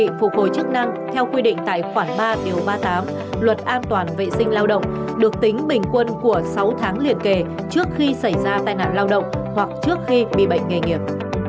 việc điều trị phục hồi chức năng theo quy định tại khoản ba ba mươi tám luật an toàn vệ sinh lao động được tính bình quân của sáu tháng liền kề trước khi xảy ra tai nạn lao động hoặc trước khi bị bệnh nghề nghiệp